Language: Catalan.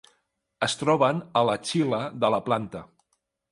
Es troben a l'axil·la de la planta.